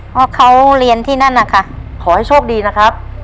เพราะเขาเรียนที่นั่นนะคะขอให้โชคดีนะครับ